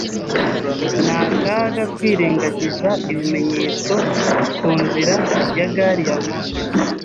Ni akaga kwirengagiza ibimenyetso ku nzira ya gari ya moshi.